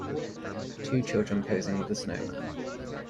Two children posing with a snowman.